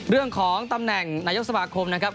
เรื่องของตำแหน่งนายกสมาคมนะครับ